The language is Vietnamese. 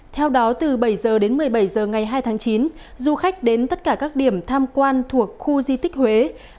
theo đó từ bảy h đến một mươi bảy h ngày hai tháng chín du khách đến tất cả các điểm tham quan thuộc khu di tích huế